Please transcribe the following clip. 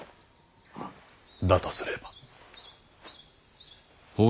だとすれば。